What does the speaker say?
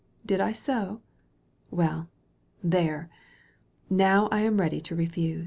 — ^Did I so ?— ^Well, there ! Now I am ready to refuse.